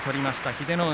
英乃海。